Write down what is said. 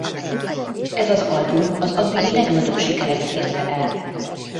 Ez az album az addigi legnagyobb sikereket érte el.